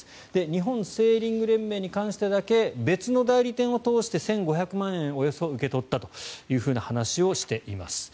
日本セーリング連盟に関してだけ別の代理店を通して１５００万円をおよそ受け取ったという話をしています。